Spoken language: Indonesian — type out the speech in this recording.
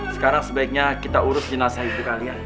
sekarang sebaiknya kita urus jenazah ibu kalian